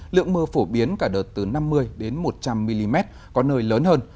lượng mưa phổ biến cả đợt từ năm mươi đến một trăm linh mm có nơi lớn hơn